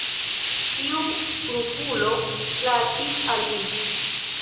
Tiu rufulo plaĉis al li.